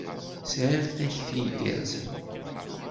Sɛiɣ takti igerrzen.